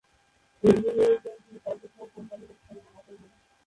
এ ইউনিয়নের প্রশাসনিক কার্যক্রম কোম্পানীগঞ্জ থানার আওতাধীন।